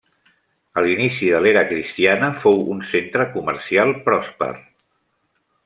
A l'inici de l'era cristiana fou un centre comercial pròsper.